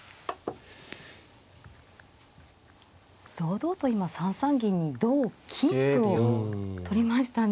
堂々と今３三銀に同金と取りましたね。